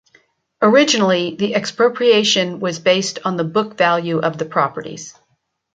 Originally, the expropriation was based on the book value of the properties.